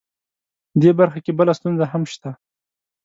دې برخه کې بله ستونزه هم شته